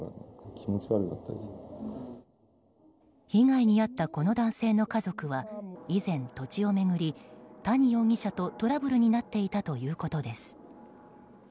被害に遭ったこの男性の家族は以前、土地を巡り谷容疑者とトラブルになっていたということです。